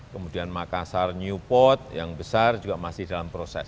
kemudian makassar newport yang besar juga masih dalam proses